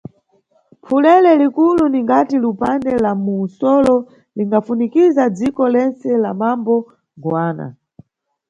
Pfulele likulu ningati lupande la mu msolo lingafuniza dziko lentse la mambo Goana.